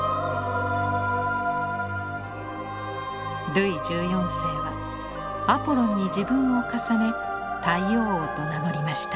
ルイ１４世はアポロンに自分を重ね「太陽王」と名乗りました。